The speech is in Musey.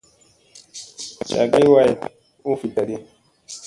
Cagi wayɗa u viɗta di.